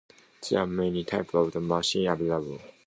There are many types of machines available.